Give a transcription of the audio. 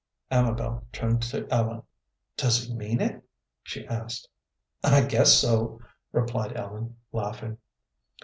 Amabel turned to Ellen. "Does he mean it?" she asked. "I guess so," replied Ellen, laughing.